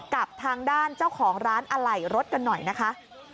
กับทางด้านเจ้าของร้านอะไหล่รถกันหน่อยนะคะ